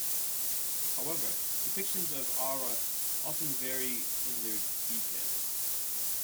However, depictions of Ara often vary in their details.